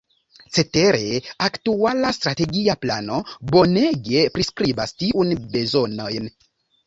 Cetere, aktuala Strategia Plano bonege priskribas tiun bezonojn.